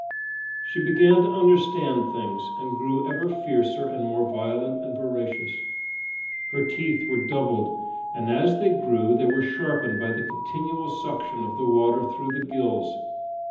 She began to understand things, and grew ever fiercer and more violent and voracious. Her teeth were doubled, and as they grew they were sharpened by the continual suction of the water through the gills.